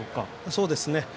そうですね。